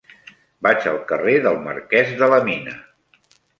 Vaig al carrer del Marquès de la Mina.